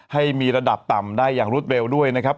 ให้มีระดับต่ำได้อย่างรวดเร็วด้วยนะครับ